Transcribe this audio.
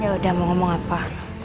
ya udah mau ngomong apa